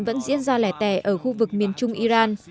vẫn diễn ra lẻ tẻ ở khu vực miền trung iran